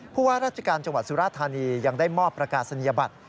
ผู้ว่าราชการจังหวัดสุราธานียังได้มอบประกาศนียบัตร